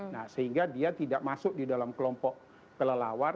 nah sehingga dia tidak masuk di dalam kelompok kelelawar